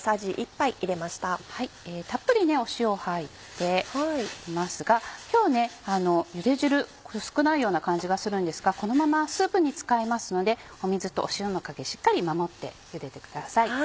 たっぷり塩入っていますが今日ゆで汁少ないような感じがするんですがこのままスープに使いますので水と塩の加減しっかり守ってゆでてください。